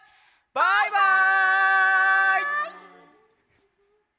バイバイ！